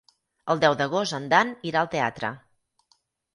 El deu d'agost en Dan irà al teatre.